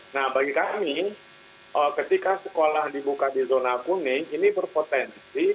nah bagi kami ketika sekolah dibuka di zona kuning ini berpotensi